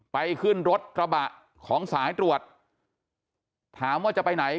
ไปขึ้นรถกระบะของสายตรวจถามว่าจะไปไหน